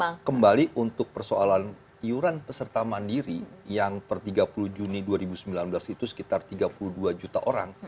nah kembali untuk persoalan iuran peserta mandiri yang per tiga puluh juni dua ribu sembilan belas itu sekitar tiga puluh dua juta orang